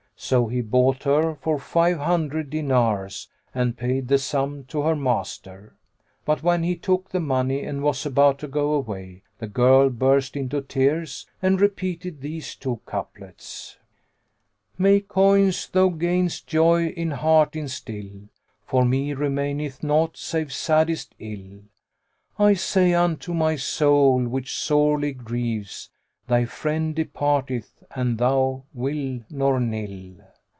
So he bought her, for five hundred dinars and paid the sum to her master; but when he book the money and was about to go away, the girl burst into tears and repeated these two couplets, "May coins though gainest joy in heart instil; * For me remaineth naught save saddest ill: I say unto my soul which sorely grieves, * 'Thy friend departeth an thou will nor nill.'"